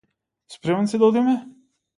Спремен си да одиме?